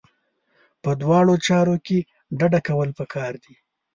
په دواړو چارو کې ډډه کول پکار دي.